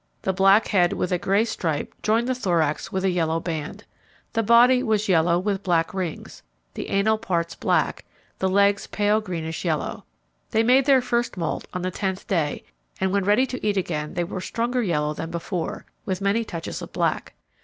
The black head with a grey stripe joined the thorax with a yellow band. The body was yellow with black rings, the anal parts black, the legs pale greyish yellow. They made their first moult on the tenth day and when ready to eat again they were stronger yellow than before, with many touches of black.